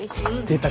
出た！